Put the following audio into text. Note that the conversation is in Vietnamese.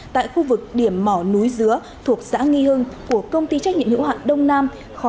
tại khu vực điểm mỏ núi dứa thuộc xã nghi hưng của công ty trách nhiệm hữu hạn đông nam